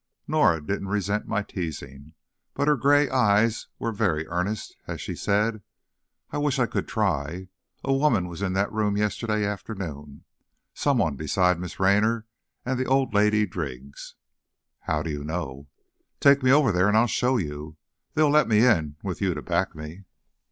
Norah didn't resent my teasing, but her gray eyes were very earnest as she said, "I wish I could try. A woman was in that room yesterday afternoon; someone besides Miss Raynor and the old lady Driggs." "How do you know?" "Take me over there and I'll show you. They'll let me in, with you to back me."